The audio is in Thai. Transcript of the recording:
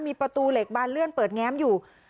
มีประตูเหล็กบานเลื่อนเปิดแง้มอยู่